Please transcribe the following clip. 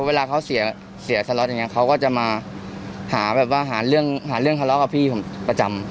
เวลาเขาเสียสล็อตอย่างเงี้ยเขาก็จะมาหาเรื่องทะเลาะกับพี่ประจำ